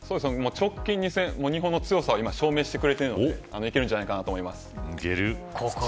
直近２戦で日本の強さを証明してくれているのでいけるんじゃないかなと思います。